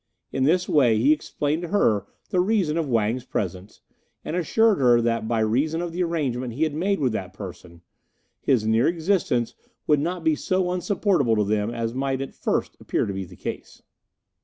In this way he explained to her the reason of Wang's presence, and assured her that by reason of the arrangement he had made with that person, his near existence would not be so unsupportable to them as might at first appear to be the case.